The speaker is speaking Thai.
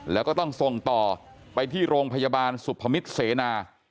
แล้วก็ต้องส่งต่อไปที่โรงพยาบาลสุพมิตรเสนา